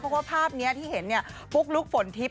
เพราะว่าภาพนี้ที่เห็นเนี่ยปุ๊กลุ๊กฝนทิพย